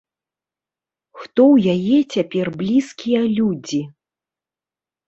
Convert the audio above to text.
Хто ў яе цяпер блізкія людзі?